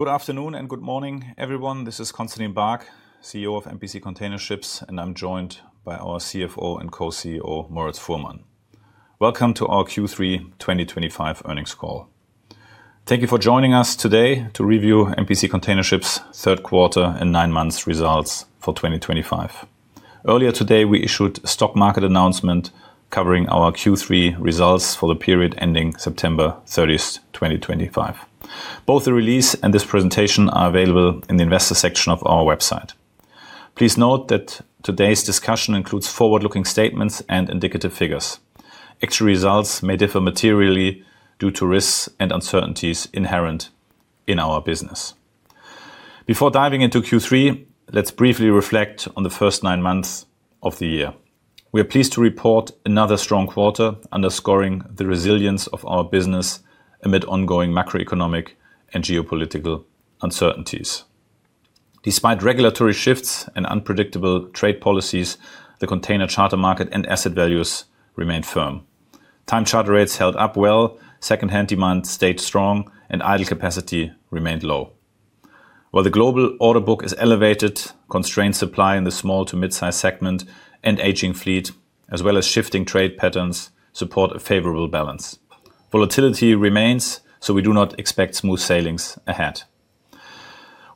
Good afternoon and good morning, everyone. This Constantin Baack, CEO of MPC Container Ships, and I'm joined by our CFO and Co-CEO, Moritz Fuhrmann. Welcome to our Q3 2025 earnings call. Thank you for joining us today to review MPC Container Ships' third quarter and nine-month results for 2025. Earlier today, we issued a stock market announcement covering our Q3 results for the period ending September 30, 2025. Both the release and this presentation are available in the investor section of our website. Please note that today's discussion includes forward-looking statements and indicative figures. Actual results may differ materially due to risks and uncertainties inherent in our business. Before diving into Q3, let's briefly reflect on the first nine months of the year. We are pleased to report another strong quarter, underscoring the resilience of our business amid ongoing macroeconomic and geopolitical uncertainties. Despite regulatory shifts and unpredictable trade policies, the container charter market and asset values remained firm. Time charter rates held up well, second-hand demand stayed strong, and idle capacity remained low. While the global order book is elevated, constrained supply in the small to midsize segment and aging fleet, as well as shifting trade patterns, support a favorable balance. Volatility remains, so we do not expect smooth sailings ahead.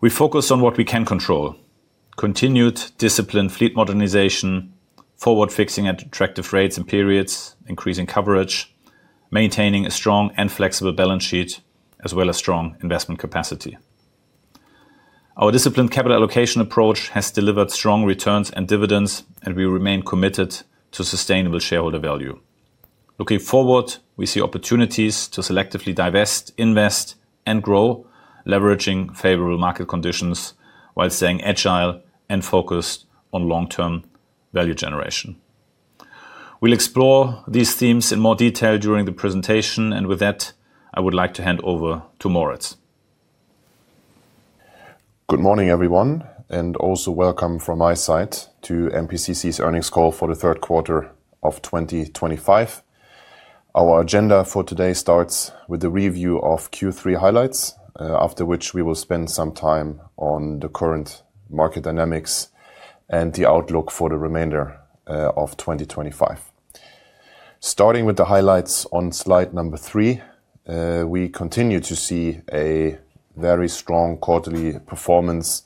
We focus on what we can control: continued disciplined fleet modernization, forward-fixing at attractive rates and periods, increasing coverage, maintaining a strong and flexible balance sheet, as well as strong investment capacity. Our disciplined capital allocation approach has delivered strong returns and dividends, and we remain committed to sustainable shareholder value. Looking forward, we see opportunities to selectively divest, invest, and grow, leveraging favorable market conditions while staying agile and focused on long-term value generation. We'll explore these themes in more detail during the presentation, and with that, I would like to hand over to Moritz. Good morning, everyone, and also welcome from my side to MPCC's earnings call for the third quarter of 2025. Our agenda for today starts with a review of Q3 highlights, after which we will spend some time on the current market dynamics and the outlook for the remainder of 2025. Starting with the highlights on slide number three, we continue to see a very strong quarterly performance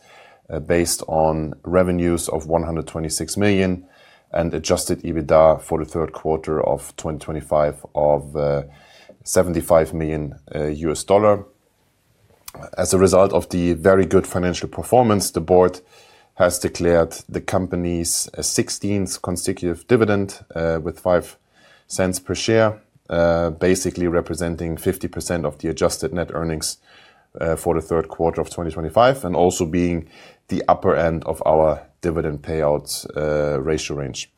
based on revenues of $126 million and Adjusted EBITDA for the third quarter of 2025 of $75 million. As a result of the very good financial performance, the board has declared the company's 16th consecutive dividend with $0.05 per share, basically representing 50% of the adjusted net earnings for the third quarter of 2025 and also being the upper end of our dividend payout ratio range.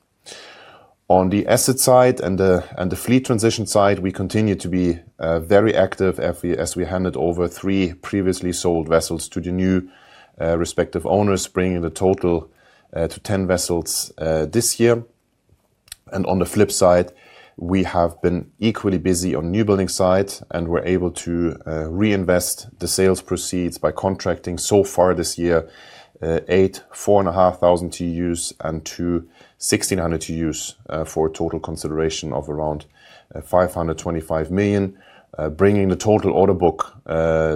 On the asset side and the fleet transition side, we continue to be very active as we handed over three previously sold vessels to the new respective owners, bringing the total to 10 vessels this year. On the flip side, we have been equally busy on the new building side and were able to reinvest the sales proceeds by contracting so far this year eight 4,500 TEUs and two 1,600 TEUs for a total consideration of around $525 million, bringing the total order book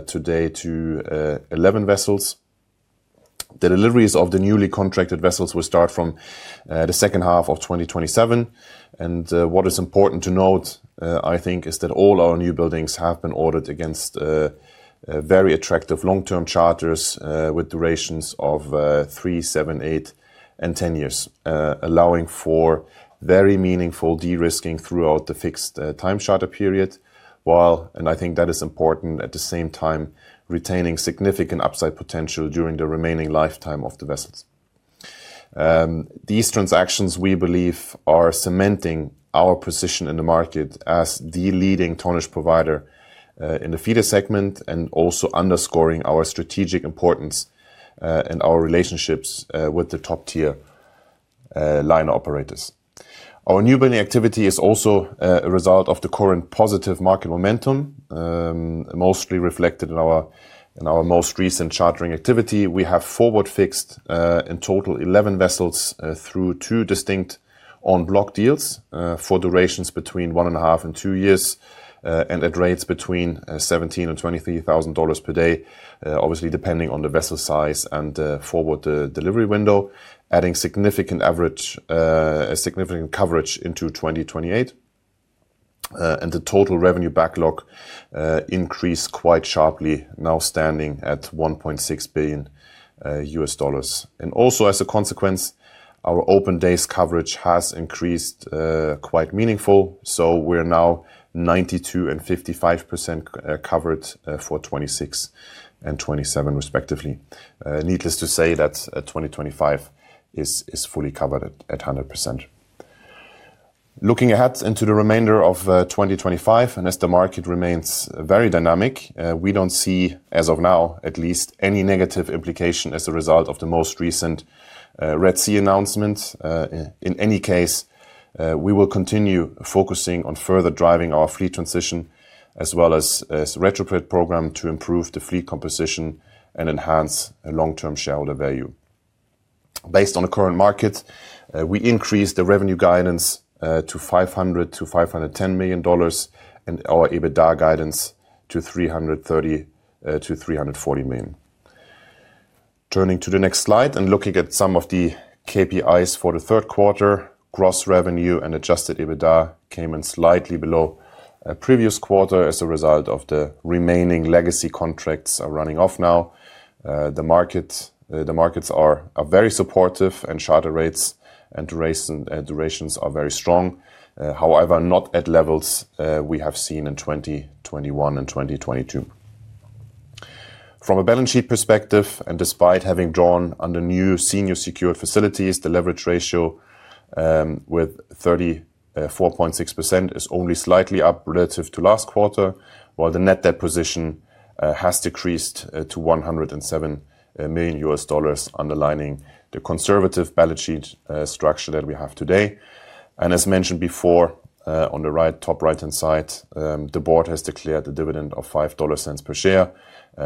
today to 11 vessels. The deliveries of the newly contracted vessels will start from the second half of 2027. What is important to note, I think, is that all our new buildings have been ordered against very attractive long-term charters with durations of three, seven, eight, and 10 years, allowing for very meaningful de-risking throughout the fixed time charter period, while, and I think that is important, at the same time retaining significant upside potential during the remaining lifetime of the vessels. These transactions, we believe, are cementing our position in the market as the leading tonnage provider in the feeder segment and also underscoring our strategic importance and our relationships with the top-tier line operators. Our new building activity is also a result of the current positive market momentum, mostly reflected in our most recent chartering activity. We have forward-fixed in total 11 vessels through two distinct on-block deals for durations between one and a half and two years and at rates between $17,000 and $23,000 per day, obviously depending on the vessel size and forward delivery window, adding significant coverage into 2028. The total revenue backlog increased quite sharply, now standing at $1.6 billion. Also, as a consequence, our open days coverage has increased quite meaningfully, so we're now 92% and 55% covered for 2026 and 2027, respectively. Needless to say that 2025 is fully covered at 100%. Looking ahead into the remainder of 2025, and as the market remains very dynamic, we don't see, as of now, at least any negative implication as a result of the most recent Red Sea announcement. In any case, we will continue focusing on further driving our fleet transition as well as the retrofit program to improve the fleet composition and enhance long-term shareholder value. Based on the current market, we increased the revenue guidance to $500 million to $510 million and our EBITDA guidance to $330 million to $340 million. Turning to the next slide and looking at some of the KPIs for the third quarter, gross revenue and Adjusted EBITDA came in slightly below previous quarter as a result of the remaining legacy contracts running off now. The markets are very supportive and charter rates and durations are very strong, however, not at levels we have seen in 2021 and 2022. From a balance sheet perspective, and despite having drawn under new senior secured facilities, the leverage ratio with 34.6% is only slightly up relative to last quarter, while the net debt position has decreased to $107 million, underlining the conservative balance sheet structure that we have today. As mentioned before, on the top right-hand side, the board has declared a dividend of $0.05 per share,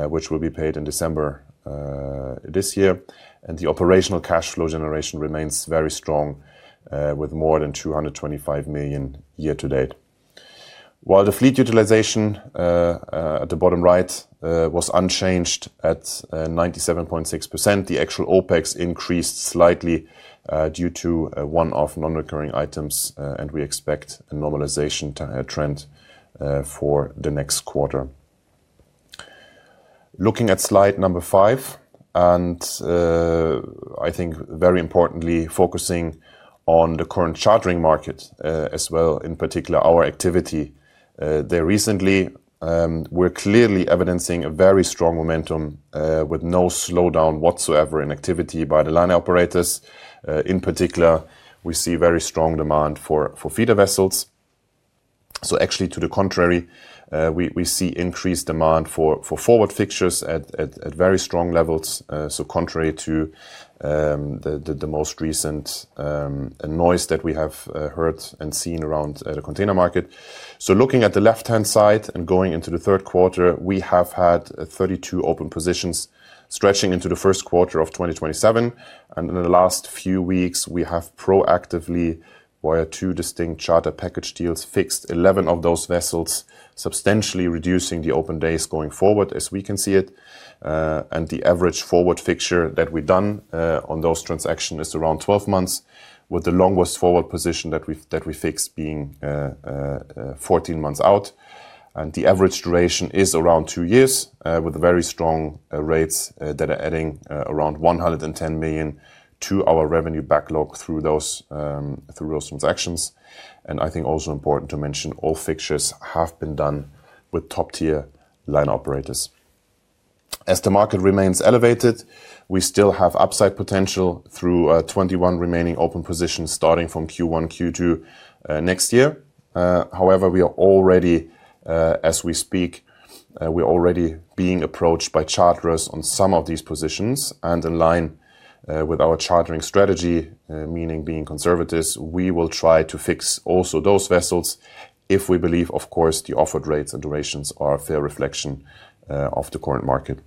which will be paid in December this year. The operational cash flow generation remains very strong with more than $225 million year to date. While the fleet utilization at the bottom right was unchanged at 97.6%, the actual OpEx increased slightly due to one-off non-recurring items, and we expect a normalization trend for the next quarter. Looking at slide number five, and I think very importantly focusing on the current chartering market as well, in particular our activity there recently, we're clearly evidencing a very strong momentum with no slowdown whatsoever in activity by the line operators. In particular, we see very strong demand for feeder vessels. Actually, to the contrary, we see increased demand for forward fixtures at very strong levels, contrary to the most recent noise that we have heard and seen around the container market. Looking at the left-hand side and going into the third quarter, we have had 32 open positions stretching into the first quarter of 2027. In the last few weeks, we have proactively via two distinct charter package deals fixed 11 of those vessels, substantially reducing the open days going forward as we can see it. The average forward fixture that we've done on those transactions is around 12 months, with the longest forward position that we fixed being 14 months out. The average duration is around two years, with very strong rates that are adding around $110 million to our revenue backlog through those transactions. I think also important to mention, all fixtures have been done with top-tier line operators. As the market remains elevated, we still have upside potential through 21 remaining open positions starting from Q1, Q2 next year. However, we are already, as we speak, already being approached by charters on some of these positions. In line with our chartering strategy, meaning being conservatives, we will try to fix also those vessels if we believe, of course, the offered rates and durations are a fair reflection of the current market.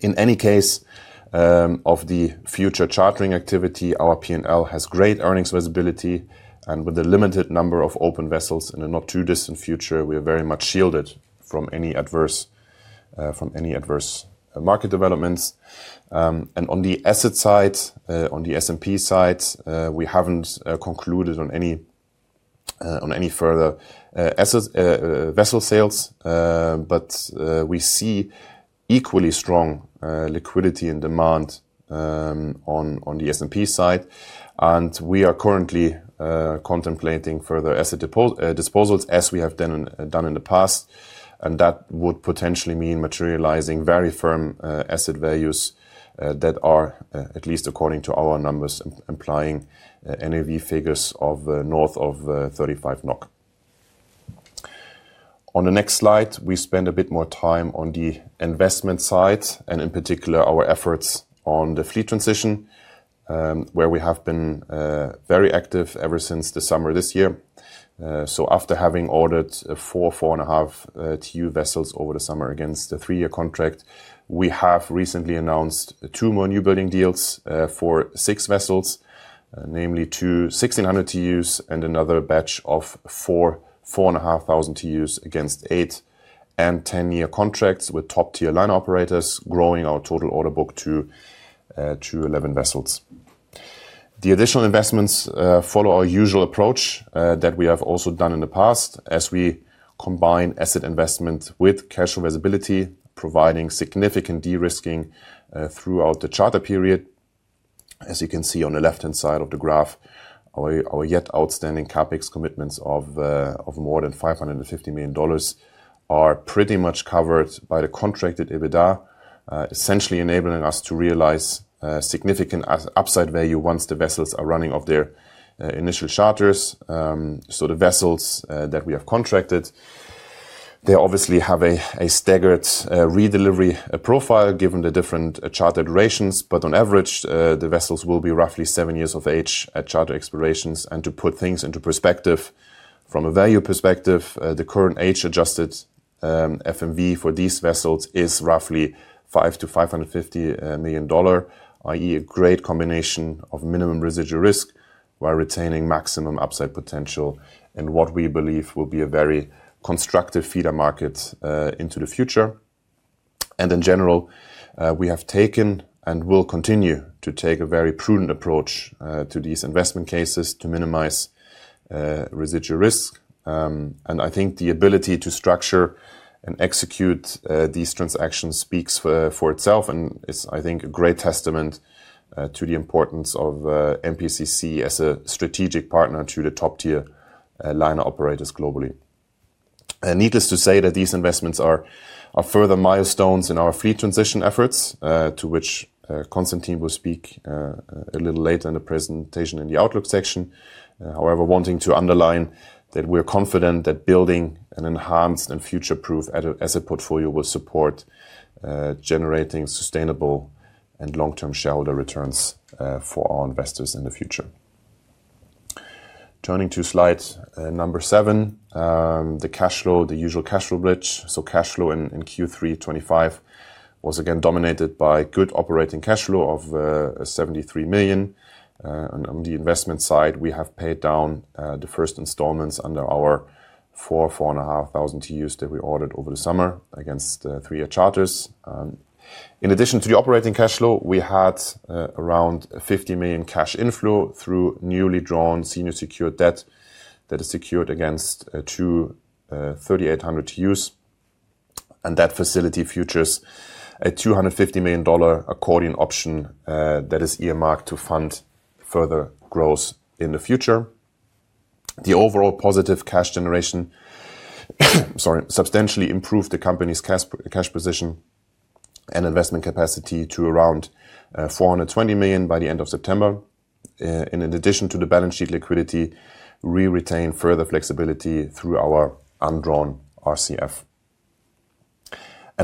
In any case of the future chartering activity, our P&L has great earnings visibility, and with the limited number of open vessels in the not too distant future, we are very much shielded from any adverse market developments. On the asset side, on the S&P side, we haven't concluded on any further vessel sales, but we see equally strong liquidity and demand on the S&P side. We are currently contemplating further asset disposals as we have done in the past, and that would potentially mean materializing very firm asset values that are, at least according to our numbers, implying NAV figures of north of 35 NOK. On the next slide, we spend a bit more time on the investment side and in particular our efforts on the fleet transition, where we have been very active ever since the summer this year. After having ordered four 4,500 TEU vessels over the summer against the three-year contract, we have recently announced two more newbuilding deals for six vessels, namely two 1,600 TEUs and another batch of four 4,500 TEUs against eight- and ten-year contracts with top-tier liner operators, growing our total order book to 11 vessels. The additional investments follow our usual approach that we have also done in the past as we combine asset investment with cash availability, providing significant de-risking throughout the charter period. As you can see on the left-hand side of the graph, our yet outstanding CapEx commitments of more than $550 million are pretty much covered by the contracted EBITDA, essentially enabling us to realize significant upside value once the vessels are running off their initial charters. The vessels that we have contracted obviously have a staggered redelivery profile given the different charter durations, but on average, the vessels will be roughly seven years of age at charter expirations. To put things into perspective from a value perspective, the current age-adjusted FMV for these vessels is roughly $500 million-$550 million, i.e., a great combination of minimum residual risk while retaining maximum upside potential in what we believe will be a very constructive feeder market into the future. In general, we have taken and will continue to take a very prudent approach to these investment cases to minimize residual risk. I think the ability to structure and execute these transactions speaks for itself and is, I think, a great testament to the importance of MPCC as a strategic partner to the top-tier line operators globally. Needless to say that these investments are further milestones in our fleet transition efforts, to which Constantin will speak a little later in the presentation in the outlook section. However, wanting to underline that we're confident that building an enhanced and future-proof asset portfolio will support generating sustainable and long-term shareholder returns for our investors in the future. Turning to slide number seven, the cash flow, the usual cash flow bridge. Cash flow in Q3 2025 was again dominated by good operating cash flow of $73 million. On the investment side, we have paid down the first installments under our 4,000-4,500 TEUs that we ordered over the summer against three-year charters. In addition to the operating cash flow, we had around $50 million cash inflow through newly drawn senior secured debt that is secured against two 3,800 TEUs. That facility features a $250 million accordion option that is earmarked to fund further growth in the future. The overall positive cash generation, sorry, substantially improved the company's cash position and investment capacity to around $420 million by the end of September. In addition to the balance sheet liquidity, we retained further flexibility through our undrawn RCF.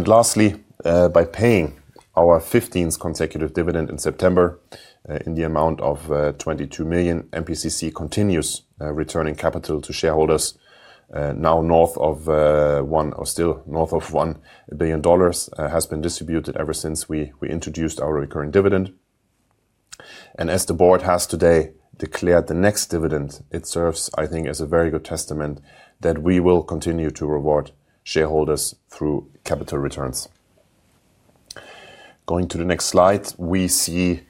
Lastly, by paying our 15th consecutive dividend in September in the amount of $22 million, MPCC continues returning capital to shareholders. Now north of one or still north of $1 billion has been distributed ever since we introduced our recurring dividend. As the board has today declared the next dividend, it serves, I think, as a very good testament that we will continue to reward shareholders through capital returns. Going to the next slide, we see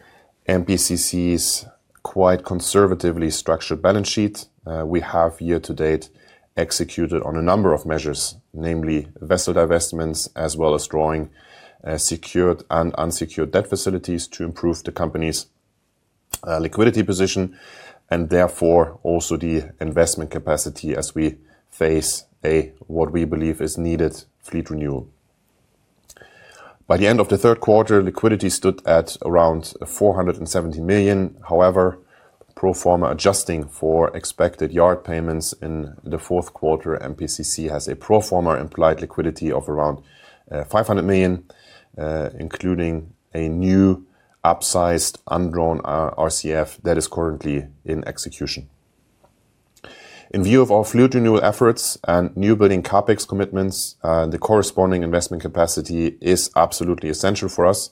MPCC's quite conservatively structured balance sheet. We have year to date executed on a number of measures, namely vessel divestments as well as drawing secured and unsecured debt facilities to improve the company's liquidity position and therefore also the investment capacity as we face a, what we believe is needed fleet renewal. By the end of the third quarter, liquidity stood at around $470 million. However, pro forma adjusting for expected yard payments in the fourth quarter, MPCC has a pro forma implied liquidity of around $500 million, including a new upsized undrawn RCF that is currently in execution. In view of our fleet renewal efforts and new building CapEx commitments, the corresponding investment capacity is absolutely essential for us.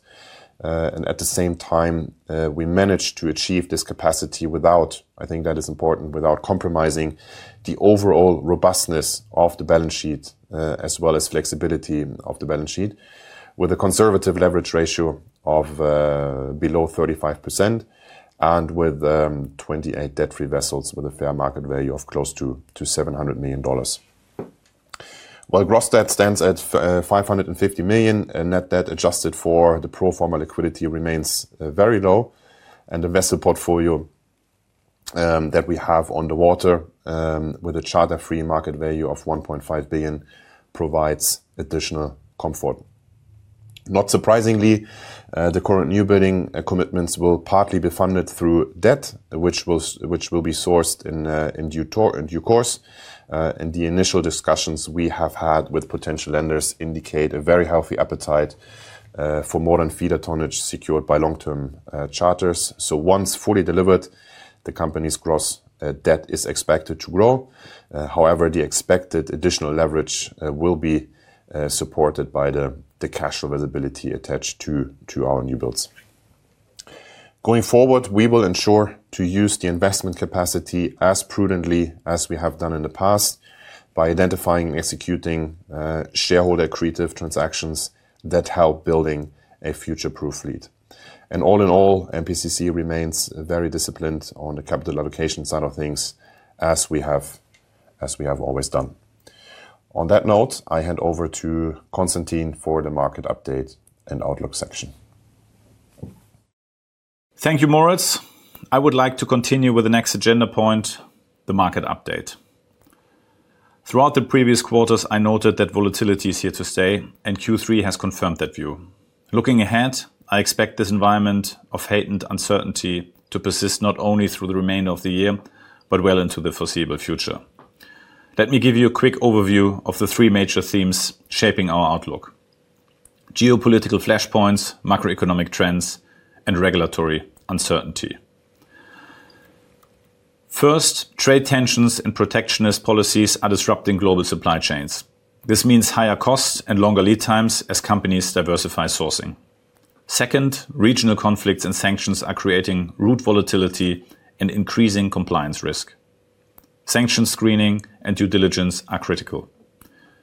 At the same time, we managed to achieve this capacity without, I think that is important, without compromising the overall robustness of the balance sheet as well as flexibility of the balance sheet with a conservative leverage ratio of below 35% and with 28 debt-free vessels with a fair market value of close to $700 million. While gross debt stands at $550 million, net debt adjusted for the pro forma liquidity remains very low. The vessel portfolio that we have on the water with a charter-free market value of $1.5 billion provides additional comfort. Not surprisingly, the current new building commitments will partly be funded through debt, which will be sourced in due course. The initial discussions we have had with potential lenders indicate a very healthy appetite for more than feeder tonnage secured by long-term charters. Once fully delivered, the company's gross debt is expected to grow. However, the expected additional leverage will be supported by the cash availability attached to our new builds. Going forward, we will ensure to use the investment capacity as prudently as we have done in the past by identifying and executing shareholder accretive transactions that help building a future-proof fleet. All in all, MPCC remains very disciplined on the capital allocation side of things as we have always done. On that note, I hand over to Constantin for the market update and outlook section. Thank you, Moritz. I would like to continue with the next agenda point, the market update. Throughout the previous quarters, I noted that volatility is here to stay, and Q3 has confirmed that view. Looking ahead, I expect this environment of heightened uncertainty to persist not only through the remainder of the year, but well into the foreseeable future. Let me give you a quick overview of the three major themes shaping our outlook: geopolitical flashpoints, macroeconomic trends, and regulatory uncertainty. First, trade tensions and protectionist policies are disrupting global supply chains. This means higher costs and longer lead times as companies diversify sourcing. Second, regional conflicts and sanctions are creating root volatility and increasing compliance risk. Sanction screening and due diligence are critical.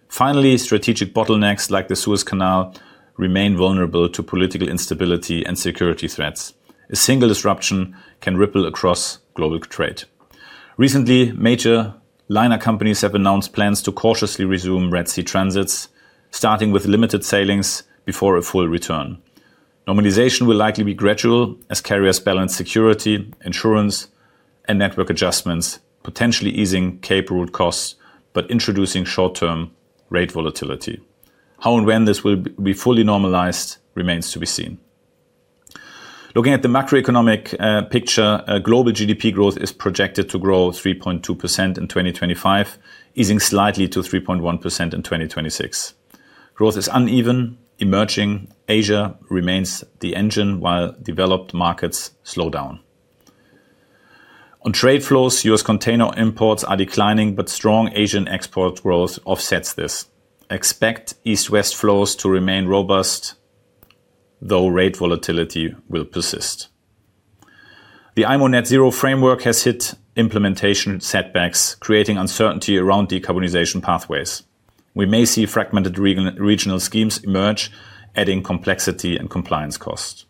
Finally, strategic bottlenecks like the Suez Canal remain vulnerable to political instability and security threats. A single disruption can ripple across global trade. Recently, major liner companies have announced plans to cautiously resume Red Sea transits, starting with limited sailings before a full return. Normalization will likely be gradual as carriers balance security, insurance, and network adjustments, potentially easing cape route costs but introducing short-term rate volatility. How and when this will be fully normalized remains to be seen. Looking at the macroeconomic picture, global GDP growth is projected to grow 3.2% in 2025, easing slightly to 3.1% in 2026. Growth is uneven. Emerging Asia remains the engine while developed markets slow down. On trade flows, U.S. container imports are declining, but strong Asian export growth offsets this. Expect east-west flows to remain robust, though rate volatility will persist. The IMO net zero framework has hit implementation setbacks, creating uncertainty around decarbonization pathways. We may see fragmented regional schemes emerge, adding complexity and compliance costs.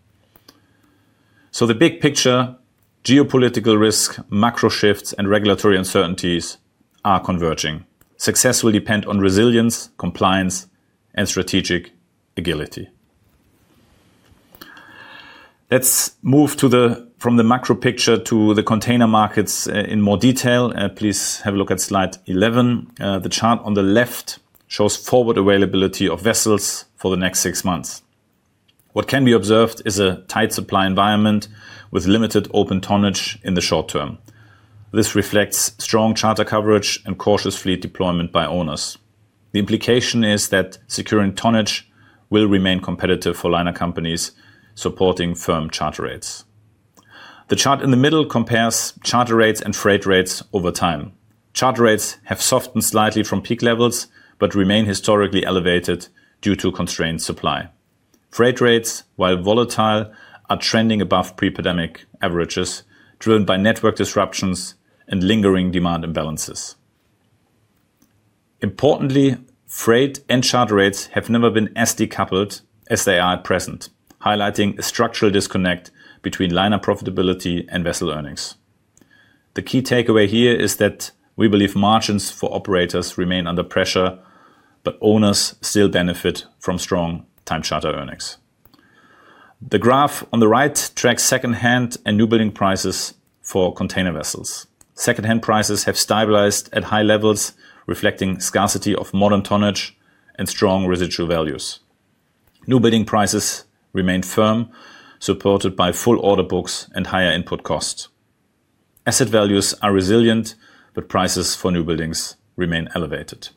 The big picture, geopolitical risk, macro shifts, and regulatory uncertainties are converging. Success will depend on resilience, compliance, and strategic agility. Let's move from the macro picture to the container markets in more detail. Please have a look at slide 11. The chart on the left shows forward availability of vessels for the next six months. What can be observed is a tight supply environment with limited open tonnage in the short term. This reflects strong charter coverage and cautious fleet deployment by owners. The implication is that securing tonnage will remain competitive for liner companies supporting firm charter rates. The chart in the middle compares charter rates and freight rates over time. Charter rates have softened slightly from peak levels but remain historically elevated due to constrained supply. Freight rates, while volatile, are trending above pre-pandemic averages driven by network disruptions and lingering demand imbalances. Importantly, freight and charter rates have never been as decoupled as they are at present, highlighting a structural disconnect between liner profitability and vessel earnings. The key takeaway here is that we believe margins for operators remain under pressure, but owners still benefit from strong time charter earnings. The graph on the right tracks secondhand and new building prices for container vessels. Secondhand prices have stabilized at high levels, reflecting scarcity of modern tonnage and strong residual values. New building prices remain firm, supported by full order books and higher input costs. Asset values are resilient, but prices for new buildings remain elevated.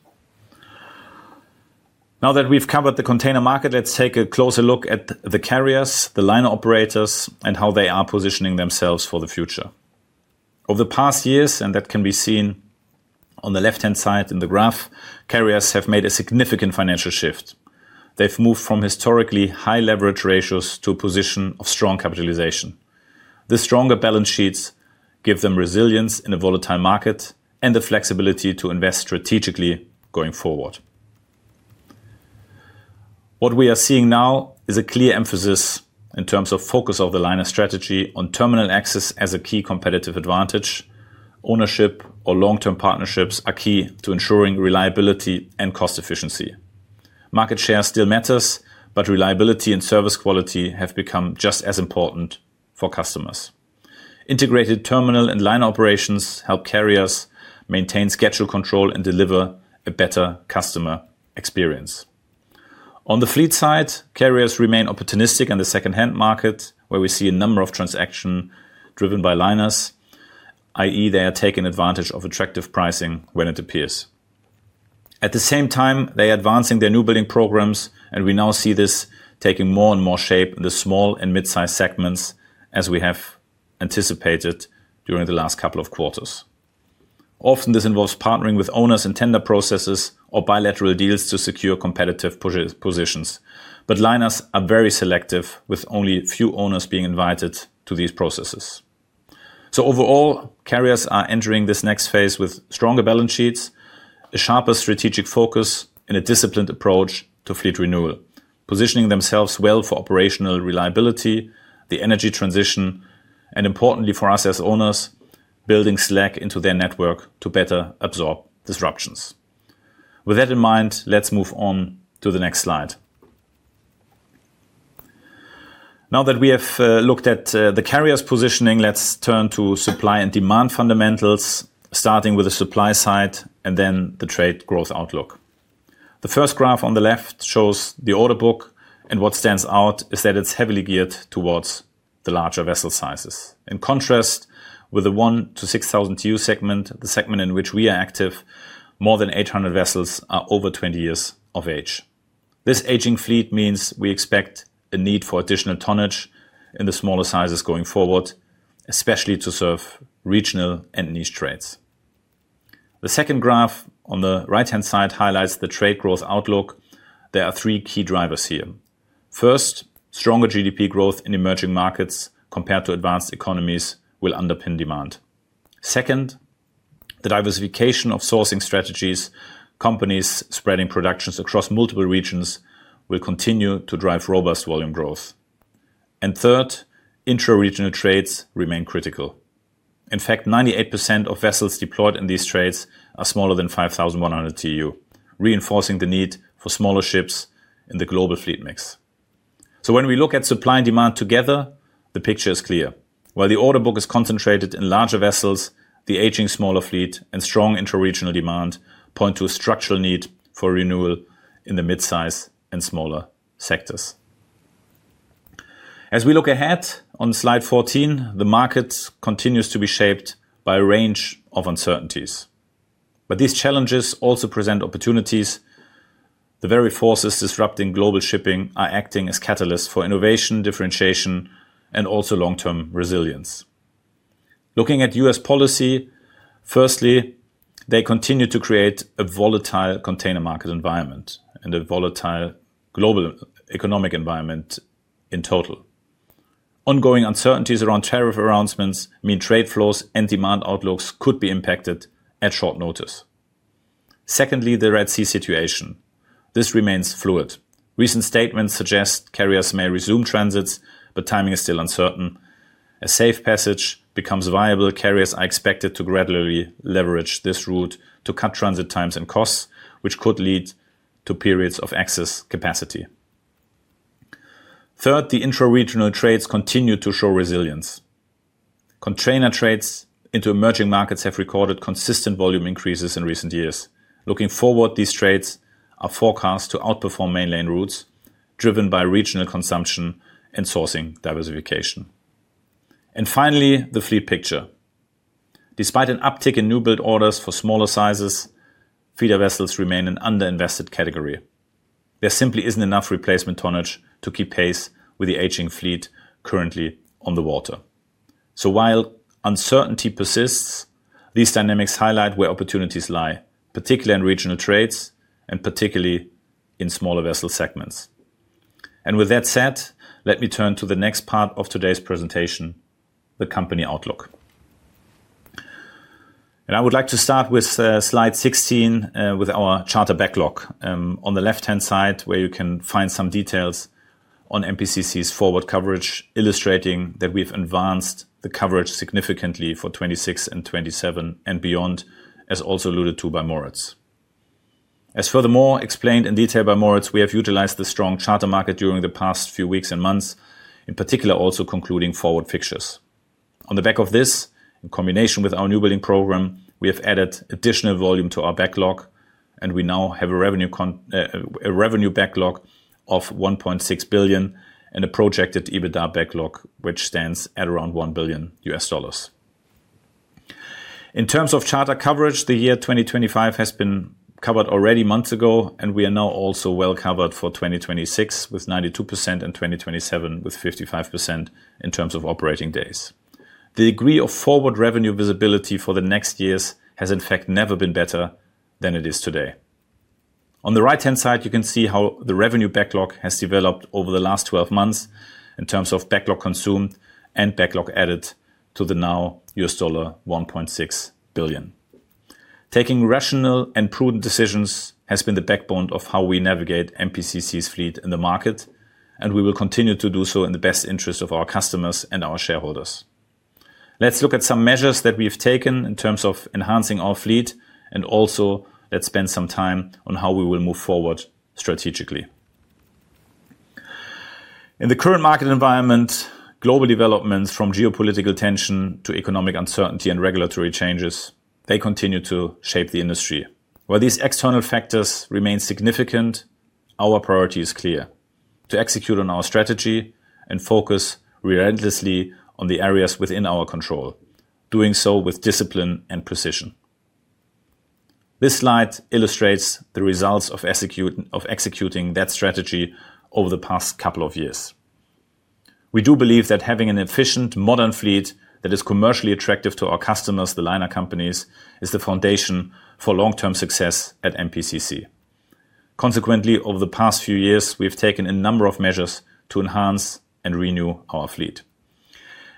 Now that we've covered the container market, let's take a closer look at the carriers, the liner operators, and how they are positioning themselves for the future. Over the past years, and that can be seen on the left-hand side in the graph, carriers have made a significant financial shift. They've moved from historically high leverage ratios to a position of strong capitalization. The stronger balance sheets give them resilience in a volatile market and the flexibility to invest strategically going forward. What we are seeing now is a clear emphasis in terms of focus of the liner strategy on terminal access as a key competitive advantage. Ownership or long-term partnerships are key to ensuring reliability and cost efficiency. Market share still matters, but reliability and service quality have become just as important for customers. Integrated terminal and liner operations help carriers maintain schedule control and deliver a better customer experience. On the fleet side, carriers remain opportunistic in the secondhand market, where we see a number of transactions driven by liners, i.e., they are taking advantage of attractive pricing when it appears. At the same time, they are advancing their new building programs, and we now see this taking more and more shape in the small and mid-size segments as we have anticipated during the last couple of quarters. Often, this involves partnering with owners in tender processes or bilateral deals to secure competitive positions. Liners are very selective, with only few owners being invited to these processes. Overall, carriers are entering this next phase with stronger balance sheets, a sharper strategic focus, and a disciplined approach to fleet renewal, positioning themselves well for operational reliability, the energy transition, and importantly for us as owners, building slack into their network to better absorb disruptions. With that in mind, let's move on to the next slide. Now that we have looked at the carriers' positioning, let's turn to supply and demand fundamentals, starting with the supply side and then the trade growth outlook. The first graph on the left shows the order book, and what stands out is that it's heavily geared towards the larger vessel sizes. In contrast, with the 1 to 6,000 TEU segment, the segment in which we are active, more than 800 vessels are over 20 years of age. This aging fleet means we expect a need for additional tonnage in the smaller sizes going forward, especially to serve regional and niche trades. The second graph on the right-hand side highlights the trade growth outlook. There are three key drivers here. First, stronger GDP growth in emerging markets compared to advanced economies will underpin demand. Second, the diversification of sourcing strategies, companies spreading productions across multiple regions will continue to drive robust volume growth. Third, intra-regional trades remain critical. In fact, 98% of vessels deployed in these trades are smaller than 5,100 TEU, reinforcing the need for smaller ships in the global fleet mix. When we look at supply and demand together, the picture is clear. While the order book is concentrated in larger vessels, the aging smaller fleet and strong intra-regional demand point to a structural need for renewal in the mid-size and smaller sectors. As we look ahead on slide 14, the market continues to be shaped by a range of uncertainties. These challenges also present opportunities. The very forces disrupting global shipping are acting as catalysts for innovation, differentiation, and also long-term resilience. Looking at U.S. policy, firstly, they continue to create a volatile container market environment and a volatile global economic environment in total. Ongoing uncertainties around tariff announcements mean trade flows and demand outlooks could be impacted at short notice. Secondly, the Red Sea situation. This remains fluid. Recent statements suggest carriers may resume transits, but timing is still uncertain. A safe passage becomes viable. Carriers are expected to gradually leverage this route to cut transit times and costs, which could lead to periods of excess capacity. Third, the intra-regional trades continue to show resilience. Container trades into emerging markets have recorded consistent volume increases in recent years. Looking forward, these trades are forecast to outperform mainland routes driven by regional consumption and sourcing diversification. Finally, the fleet picture. Despite an uptick in new build orders for smaller sizes, feeder vessels remain an underinvested category. There simply isn't enough replacement tonnage to keep pace with the aging fleet currently on the water. While uncertainty persists, these dynamics highlight where opportunities lie, particularly in regional trades and particularly in smaller vessel segments. With that said, let me turn to the next part of today's presentation, the company outlook. I would like to start with slide 16 with our charter backlog. On the left-hand side, you can find some details on MPCC's forward coverage, illustrating that we've advanced the coverage significantly for 2026 and 2027 and beyond, as also alluded to by Moritz. As furthermore explained in detail by Moritz, we have utilized the strong charter market during the past few weeks and months, in particular also concluding forward fixtures. On the back of this, in combination with our new building program, we have added additional volume to our backlog, and we now have a revenue backlog of $1.6 billion and a projected EBITDA backlog, which stands at around $1 billion. In terms of charter coverage, the year 2025 has been covered already months ago, and we are now also well covered for 2026 with 92% and 2027 with 55% in terms of operating days. The degree of forward revenue visibility for the next years has, in fact, never been better than it is today. On the right-hand side, you can see how the revenue backlog has developed over the last 12 months in terms of backlog consumed and backlog added to the now $1.6 billion. Taking rational and prudent decisions has been the backbone of how we navigate MPCC's fleet in the market, and we will continue to do so in the best interest of our customers and our shareholders. Let's look at some measures that we have taken in terms of enhancing our fleet, and also let's spend some time on how we will move forward strategically. In the current market environment, global developments from geopolitical tension to economic uncertainty and regulatory changes, they continue to shape the industry. While these external factors remain significant, our priority is clear: to execute on our strategy and focus relentlessly on the areas within our control, doing so with discipline and precision. This slide illustrates the results of executing that strategy over the past couple of years. We do believe that having an efficient, modern fleet that is commercially attractive to our customers, the liner companies, is the foundation for long-term success at MPCC. Consequently, over the past few years, we have taken a number of measures to enhance and renew our fleet.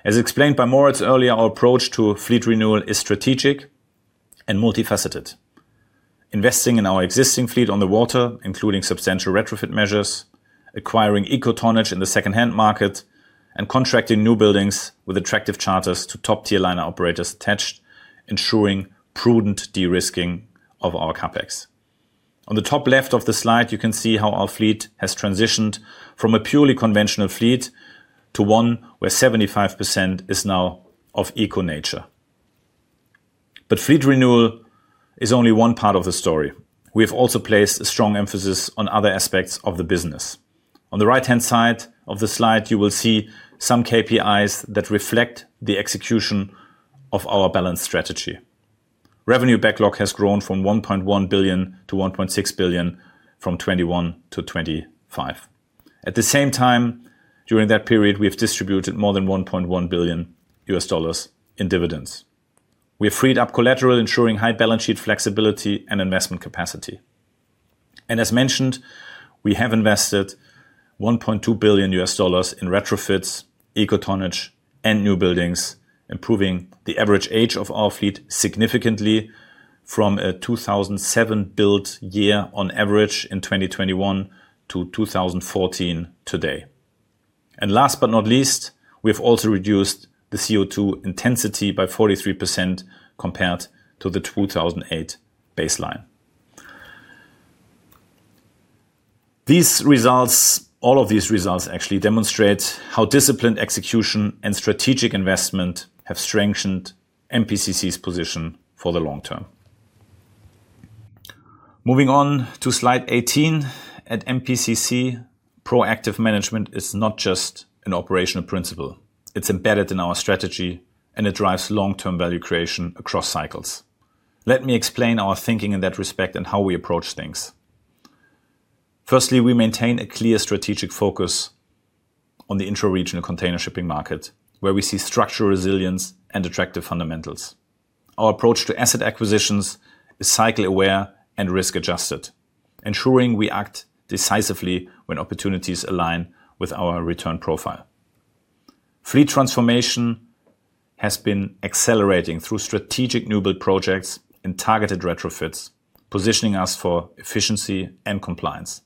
As explained by Moritz earlier, our approach to fleet renewal is strategic and multifaceted. Investing in our existing fleet on the water, including substantial retrofit measures, acquiring eco-tonnage in the secondhand market, and contracting new buildings with attractive charters to top-tier liner operators attached, ensuring prudent de-risking of our CapEx. At the top left of the slide, you can see how our fleet has transitioned from a purely conventional fleet to one where 75% is now of eco-nature. Fleet renewal is only one part of the story. We have also placed a strong emphasis on other aspects of the business. On the right-hand side of the slide, you will see some KPIs that reflect the execution of our balance strategy. Revenue backlog has grown from $1.1 billion to $1.6 billion from 2021 to 2025. At the same time, during that period, we have distributed more than $1.1 billion in dividends. We have freed up collateral, ensuring high balance sheet flexibility and investment capacity. As mentioned, we have invested $1.2 billion in retrofits, eco-tonnage, and new buildings, improving the average age of our fleet significantly from a 2007-built year on average in 2021 to 2014 today. Last but not least, we have also reduced the CO2 intensity by 43% compared to the 2008 baseline. These results, all of these results actually demonstrate how disciplined execution and strategic investment have strengthened MPCC's position for the long term. Moving on to slide 18, at MPCC, proactive management is not just an operational principle. It's embedded in our strategy, and it drives long-term value creation across cycles. Let me explain our thinking in that respect and how we approach things. Firstly, we maintain a clear strategic focus on the intra-regional container shipping market, where we see structural resilience and attractive fundamentals. Our approach to asset acquisitions is cycle-aware and risk-adjusted, ensuring we act decisively when opportunities align with our return profile. Fleet transformation has been accelerating through strategic new build projects and targeted retrofits, positioning us for efficiency and compliance.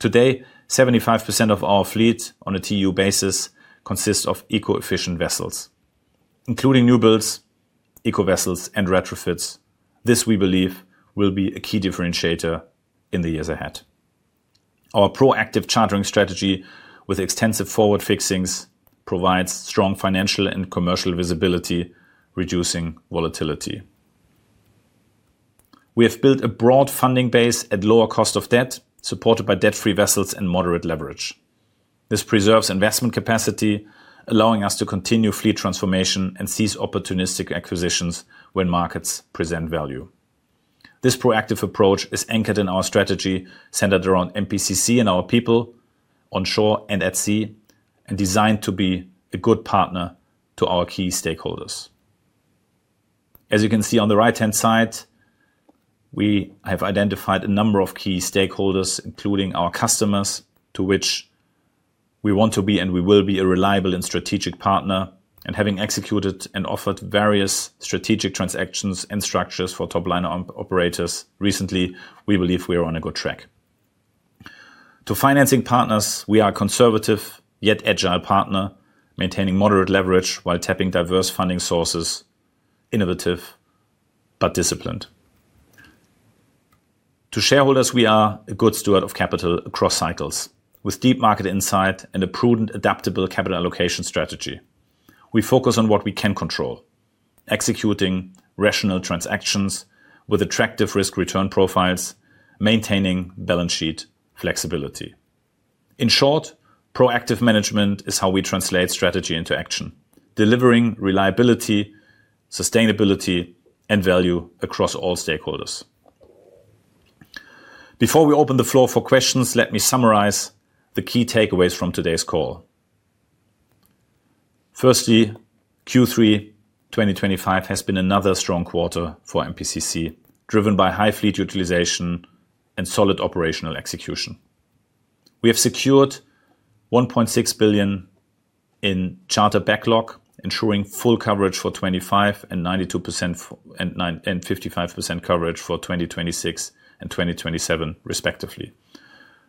Today, 75% of our fleet on a TEU basis consists of eco-efficient vessels, including new builds, eco-vessels, and retrofits. This, we believe, will be a key differentiator in the years ahead. Our proactive chartering strategy with extensive forward fixings provides strong financial and commercial visibility, reducing volatility. We have built a broad funding base at lower cost of debt, supported by debt-free vessels and moderate leverage. This preserves investment capacity, allowing us to continue fleet transformation and seize opportunistic acquisitions when markets present value. This proactive approach is anchored in our strategy centered around MPCC and our people on shore and at sea and designed to be a good partner to our key stakeholders. As you can see on the right-hand side, we have identified a number of key stakeholders, including our customers, to which we want to be and we will be a reliable and strategic partner. Having executed and offered various strategic transactions and structures for top liner operators recently, we believe we are on a good track. To financing partners, we are a conservative yet agile partner, maintaining moderate leverage while tapping diverse funding sources, innovative but disciplined. To shareholders, we are a good steward of capital across cycles. With deep market insight and a prudent, adaptable capital allocation strategy, we focus on what we can control, executing rational transactions with attractive risk-return profiles, maintaining balance sheet flexibility. In short, proactive management is how we translate strategy into action, delivering reliability, sustainability, and value across all stakeholders. Before we open the floor for questions, let me summarize the key takeaways from today's call. Firstly, Q3 2025 has been another strong quarter for MPCC, driven by high fleet utilization and solid operational execution. We have secured $1.6 billion in charter backlog, ensuring full coverage for 2025 and 92% and 55% coverage for 2026 and 2027, respectively.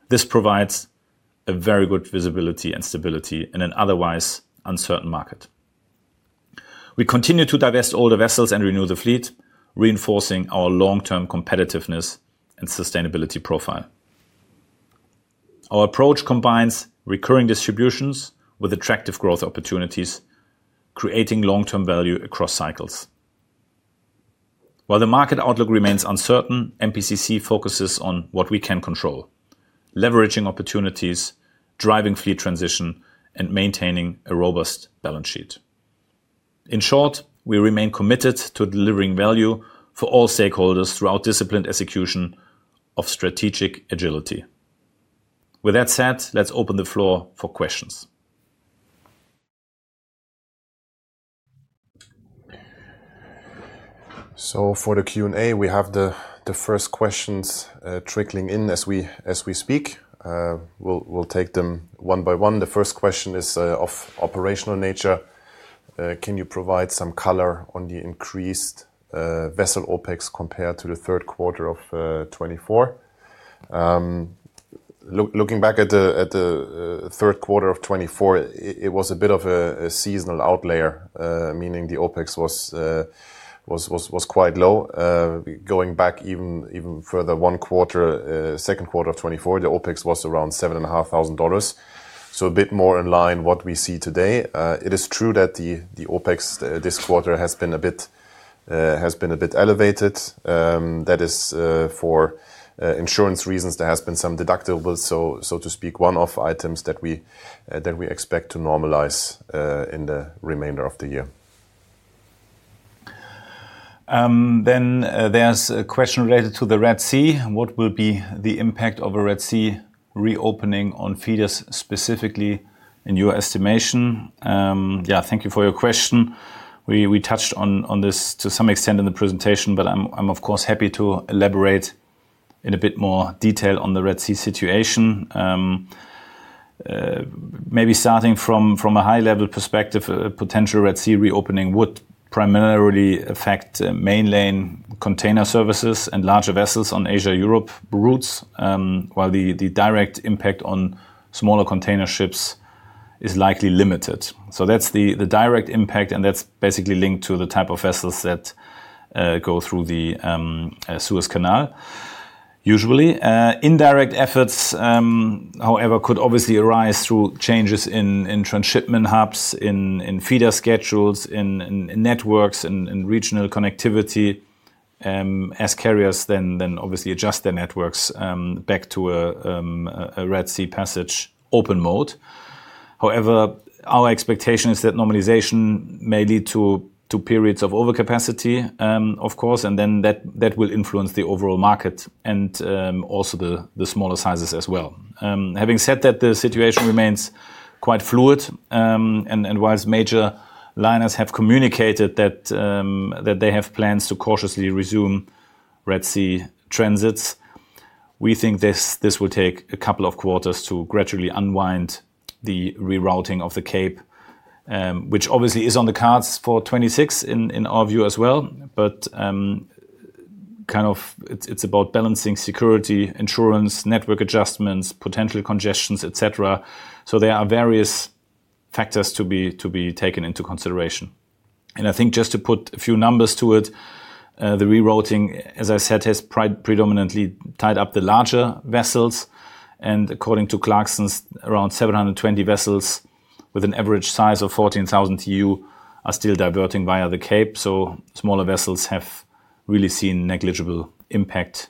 This provides a very good visibility and stability in an otherwise uncertain market. We continue to divest older vessels and renew the fleet, reinforcing our long-term competitiveness and sustainability profile. Our approach combines recurring distributions with attractive growth opportunities, creating long-term value across cycles. While the market outlook remains uncertain, MPCC focuses on what we can control, leveraging opportunities, driving fleet transition, and maintaining a robust balance sheet. In short, we remain committed to delivering value for all stakeholders through our disciplined execution of strategic agility. With that said, let's open the floor for questions. For the Q&A, we have the first questions trickling in as we speak. We'll take them one by one. The first question is of operational nature. Can you provide some color on the increased vessel OpEx compared to the third quarter of 2024? Looking back at the third quarter of 2024, it was a bit of a seasonal outlier, meaning the OpEx was quite low. Going back even further, second quarter of 2024, the OpEx was around $7,500, so a bit more in line with what we see today. It is true that the OpEx this quarter has been a bit elevated. That is for insurance reasons. There have been some deductibles, so to speak, one-off items that we expect to normalize in the remainder of the year. There is a question related to the Red Sea. What will be the impact of a Red Sea reopening on feeders specifically in your estimation? Thank you for your question. We touched on this to some extent in the presentation, but I am, of course, happy to elaborate in a bit more detail on the Red Sea situation. Maybe starting from a high-level perspective, a potential Red Sea reopening would primarily affect mainland container services and larger vessels on Asia-Europe routes, while the direct impact on smaller container ships is likely limited. That is the direct impact, and that is basically linked to the type of vessels that go through the Suez Canal. Usually, indirect effects, however, could obviously arise through changes in transshipment hubs, in feeder schedules, in networks, in regional connectivity, as carriers then obviously adjust their networks back to a Red Sea passage open mode. However, our expectation is that normalization may lead to periods of overcapacity, of course, and that will influence the overall market and also the smaller sizes as well. Having said that, the situation remains quite fluid, and while major liners have communicated that they have plans to cautiously resume Red Sea transits, we think this will take a couple of quarters to gradually unwind the rerouting of the Cape, which obviously is on the cards for 2026 in our view as well. It is about balancing security, insurance, network adjustments, potential congestions, etc. There are various factors to be taken into consideration. I think just to put a few numbers to it, the rerouting, as I said, has predominantly tied up the larger vessels. According to Clarksons, around 720 vessels with an average size of 14,000 TEU are still diverting via the Cape. Smaller vessels have really seen negligible impact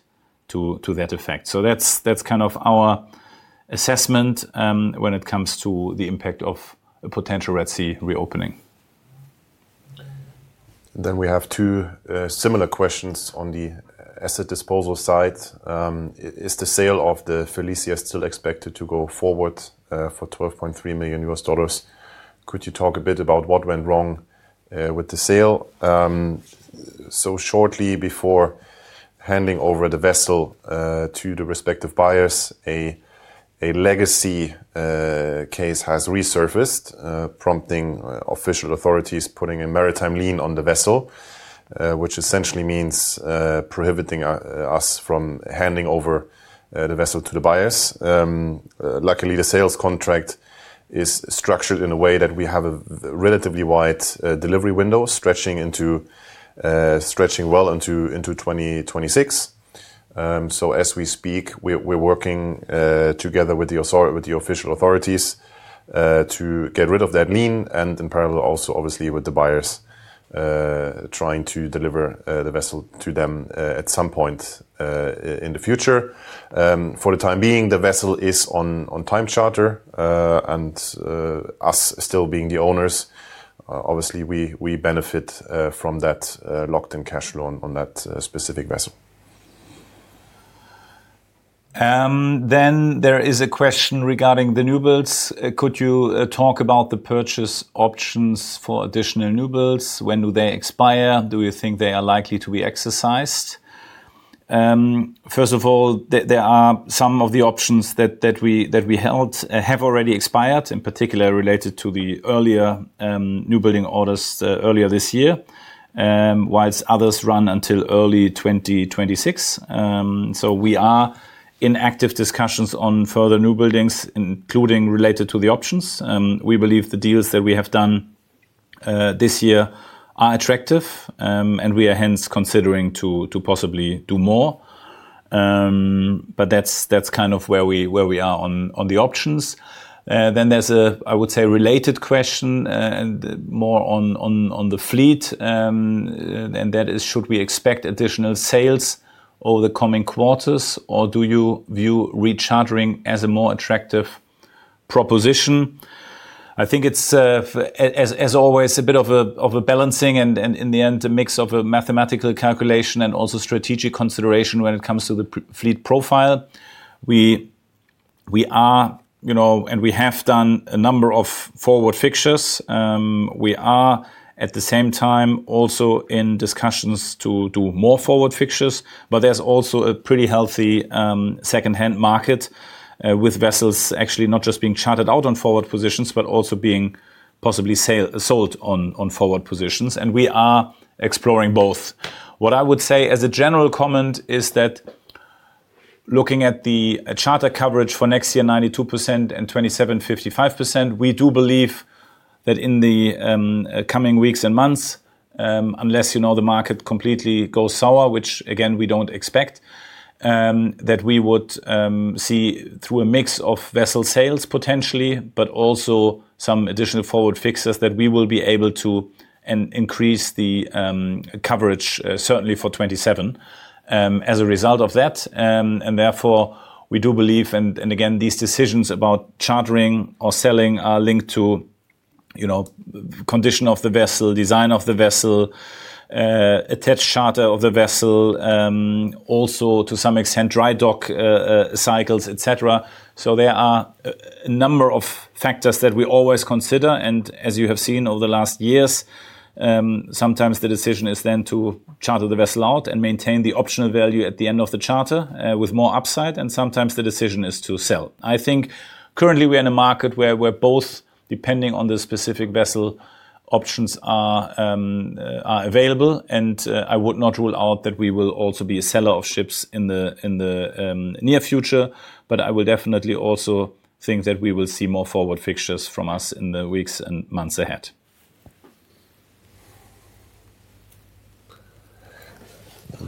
to that effect. That is our assessment when it comes to the impact of a potential Red Sea reopening. We have two similar questions on the asset disposal side. Is the sale of the Felicia still expected to go forward for $12.3 million? Could you talk a bit about what went wrong with the sale? Shortly before handing over the vessel to the respective buyers, a legacy case has resurfaced, prompting official authorities to put a maritime lien on the vessel, which essentially means prohibiting us from handing over the vessel to the buyers. Luckily, the sales contract is structured in a way that we have a relatively wide delivery window stretching well into 2026. As we speak, we're working together with the official authorities to get rid of that lien and in parallel also, obviously, with the buyers trying to deliver the vessel to them at some point in the future. For the time being, the vessel is on time charter, and us still being the owners, obviously, we benefit from that locked-in cash flow on that specific vessel. There is a question regarding the new builds. Could you talk about the purchase options for additional new builds? When do they expire? Do you think they are likely to be exercised? First of all, some of the options that we held have already expired, in particular related to the earlier new building orders earlier this year, while others run until early 2026. We are in active discussions on further new buildings, including related to the options. We believe the deals that we have done this year are attractive, and we are hence considering to possibly do more. That is kind of where we are on the options. There is a, I would say, related question more on the fleet, and that is, should we expect additional sales over the coming quarters, or do you view rechartering as a more attractive proposition? I think it's, as always, a bit of a balancing and in the end, a mix of a mathematical calculation and also strategic consideration when it comes to the fleet profile. We are and we have done a number of forward fixtures. We are, at the same time, also in discussions to do more forward fixtures. There is also a pretty healthy second-hand market with vessels actually not just being chartered out on forward positions, but also being possibly sold on forward positions. We are exploring both. What I would say as a general comment is that looking at the charter coverage for next year, 92% and 27.55%, we do believe that in the coming weeks and months, unless the market completely goes sour, which again, we do not expect, we would see through a mix of vessel sales potentially, but also some additional forward fixtures that we will be able to increase the coverage, certainly for 2027, as a result of that. We do believe, and again, these decisions about chartering or selling are linked to condition of the vessel, design of the vessel, attached charter of the vessel, also to some extent dry dock cycles, etc. There are a number of factors that we always consider. As you have seen over the last years, sometimes the decision is then to charter the vessel out and maintain the optional value at the end of the charter with more upside. Sometimes the decision is to sell. I think currently we are in a market where we're both depending on the specific vessel options are available. I would not rule out that we will also be a seller of ships in the near future, but I will definitely also think that we will see more forward fixtures from us in the weeks and months ahead.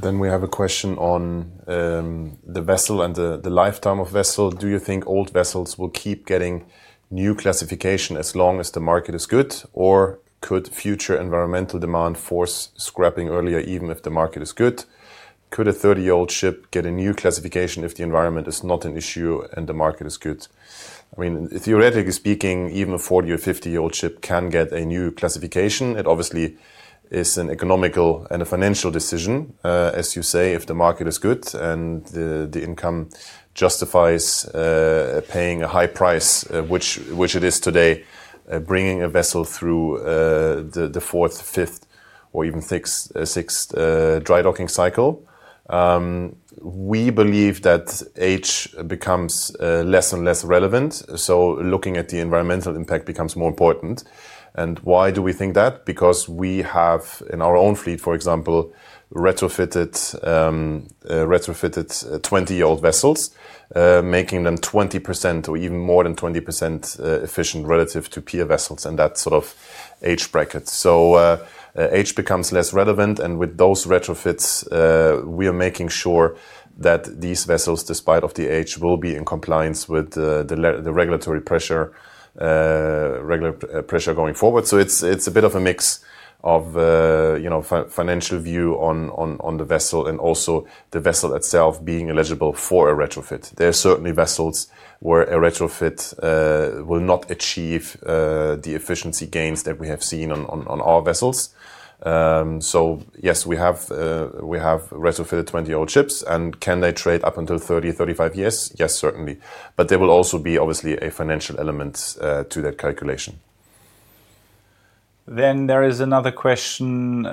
We have a question on the vessel and the lifetime of vessel. Do you think old vessels will keep getting new classification as long as the market is good, or could future environmental demand force scrapping earlier, even if the market is good? Could a 30-year-old ship get a new classification if the environment is not an issue and the market is good? I mean, theoretically speaking, even a 40- or 50-year-old ship can get a new classification. It obviously is an economical and a financial decision, as you say, if the market is good and the income justifies paying a high price, which it is today, bringing a vessel through the fourth, fifth, or even sixth dry docking cycle. We believe that age becomes less and less relevant. Looking at the environmental impact becomes more important. Why do we think that? Because we have, in our own fleet, for example, retrofitted 20-year-old vessels, making them 20% or even more than 20% efficient relative to peer vessels in that sort of age bracket. Age becomes less relevant. With those retrofits, we are making sure that these vessels, despite the age, will be in compliance with the regulatory pressure going forward. It is a bit of a mix of financial view on the vessel and also the vessel itself being eligible for a retrofit. There are certainly vessels where a retrofit will not achieve the efficiency gains that we have seen on our vessels. Yes, we have retrofitted 20-year-old ships. Can they trade up until 30, 35 years? Yes, certainly. There will also be, obviously, a financial element to that calculation. There is another question,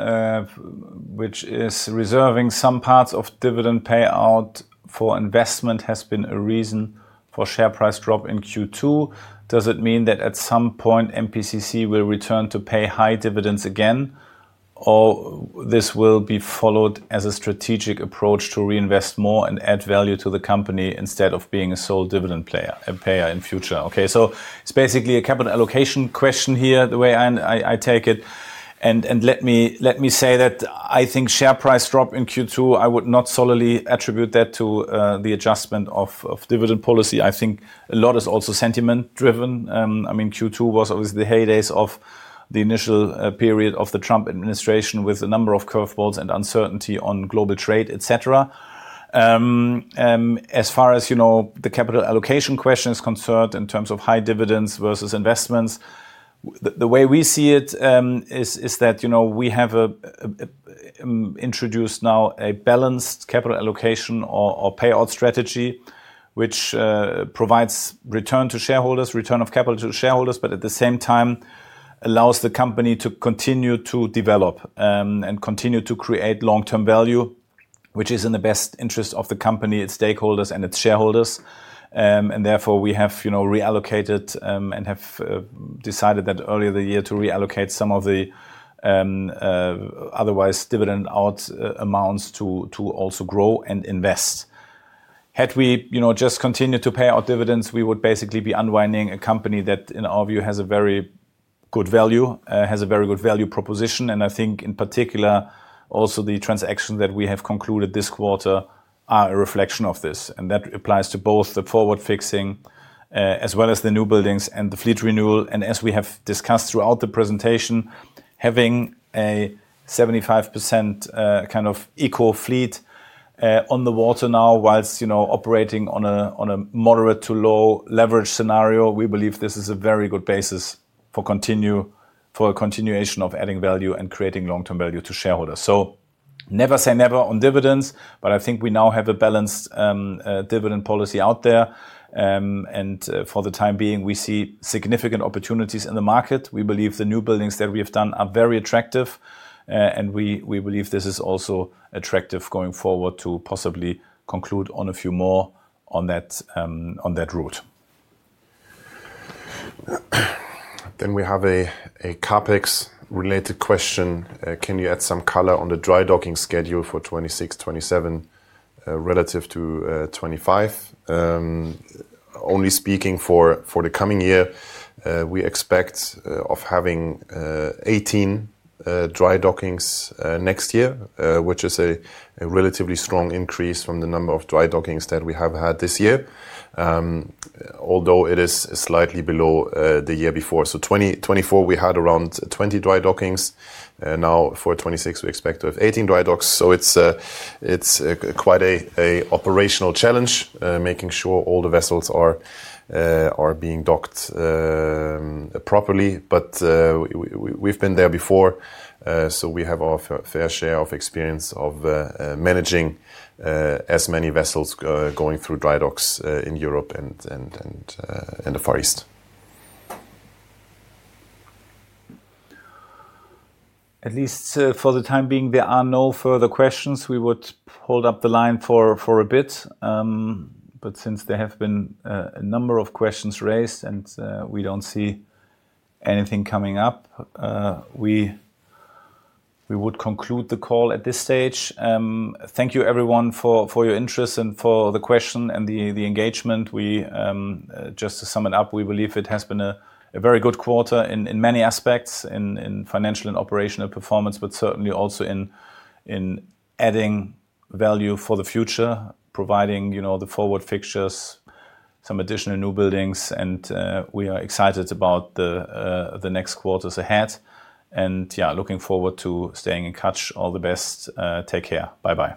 which is reserving some parts of dividend payout for investment has been a reason for share price drop in Q2. Does it mean that at some point MPCC will return to pay high dividends again, or this will be followed as a strategic approach to reinvest more and add value to the company instead of being a sole dividend payer in future? Okay. It is basically a capital allocation question here, the way I take it. Let me say that I think share price drop in Q2, I would not solely attribute that to the adjustment of dividend policy. I think a lot is also sentiment-driven. I mean, Q2 was obviously the heydays of the initial period of the Trump administration with a number of curveballs and uncertainty on global trade, etc. As far as the capital allocation question is concerned in terms of high dividends versus investments, the way we see it is that we have introduced now a balanced capital allocation or payout strategy, which provides return to shareholders, return of capital to shareholders, but at the same time allows the company to continue to develop and continue to create long-term value, which is in the best interest of the company, its stakeholders, and its shareholders. Therefore, we have reallocated and have decided that earlier this year to reallocate some of the otherwise dividend out amounts to also grow and invest. Had we just continued to pay out dividends, we would basically be unwinding a company that, in our view, has a very good value, has a very good value proposition. I think in particular, also the transactions that we have concluded this quarter are a reflection of this. That applies to both the forward fixing as well as the new buildings and the fleet renewal. As we have discussed throughout the presentation, having a 75% kind of eco fleet on the water now, whilst operating on a moderate to low leverage scenario, we believe this is a very good basis for continuation of adding value and creating long-term value to shareholders. Never say never on dividends, but I think we now have a balanced dividend policy out there. For the time being, we see significant opportunities in the market. We believe the new buildings that we have done are very attractive, and we believe this is also attractive going forward to possibly conclude on a few more on that route. We have a CapEx-related question. Can you add some color on the dry docking schedule for 2026, 2027 relative to 2025? Only speaking for the coming year, we expect to have 18 dry dockings next year, which is a relatively strong increase from the number of dry dockings that we have had this year, although it is slightly below the year before. For 2024, we had around 20 dry dockings. For 2026, we expect to have 18 dry dockings. It is quite an operational challenge making sure all the vessels are being docked properly. We have been there before, so we have our fair share of experience of managing as many vessels going through dry docks in Europe and the Far East. At least for the time being, there are no further questions. We would hold up the line for a bit. Since there have been a number of questions raised and we do not see anything coming up, we would conclude the call at this stage. Thank you, everyone, for your interest and for the question and the engagement. Just to sum it up, we believe it has been a very good quarter in many aspects, in financial and operational performance, but certainly also in adding value for the future, providing the forward fixtures, some additional new buildings. We are excited about the next quarters ahead. Yeah, looking forward to staying in touch. All the best. Take care. Bye-bye.